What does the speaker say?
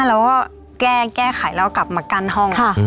เราก็แก้ไขแล้วกลับมากั้นห้อง